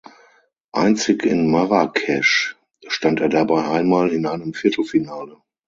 Einzig in Marrakesch stand er dabei einmal in einem Viertelfinale.